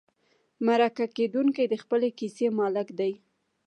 مرکه کېدونکی د خپلې کیسې مالک دی.